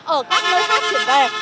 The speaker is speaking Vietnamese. ở các nơi phát triển về